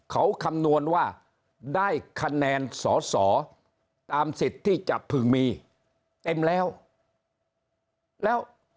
เขาคำนวณว่าได้คะแนนสอสอตามสิทธิ์ที่จะพึงมีเต็มแล้วแล้ว